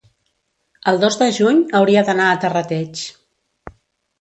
El dos de juny hauria d'anar a Terrateig.